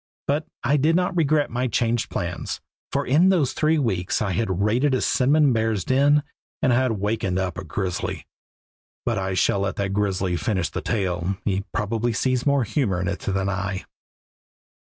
But I did not regret my changed plans, for in those three weeks I had raided a cinnamon bear's den and had wakened up a grizzly But I shall let the grizzly finish the tale; he probably sees more humor in it than I.